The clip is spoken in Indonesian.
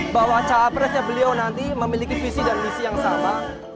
bahwa cawapresnya beliau nanti memiliki visi dan misi yang sama